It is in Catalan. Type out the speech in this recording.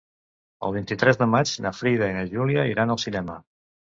El vint-i-tres de maig na Frida i na Júlia iran al cinema.